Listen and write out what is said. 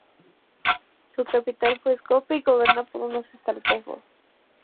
Su capital fue Skopje, y gobernada por un strategos.